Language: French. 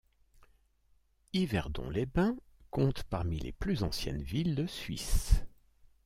Yverdon-les-Bains compte parmi les plus anciennes villes de Suisse.